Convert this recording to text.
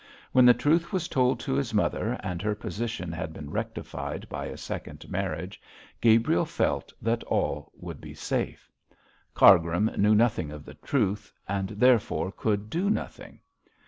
When the truth was told to his mother, and her position had been rectified by a second marriage, Gabriel felt that all would be safe. Cargrim knew nothing of the truth, and therefore could do nothing.